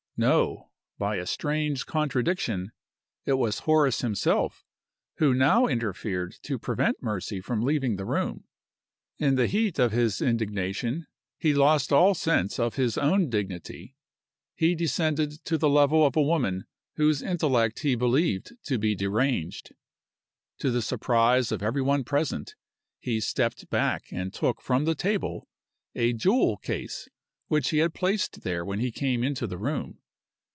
No. By a strange contradiction it was Horace himself who now interfered to prevent Mercy from leaving the room. In the heat of his indignation he lost all sense of his own dignity; he descended to the level of a woman whose intellect he believed to be deranged. To the surprise of every one present, he stepped back and took from the table a jewel case which he had placed there when he came into the room.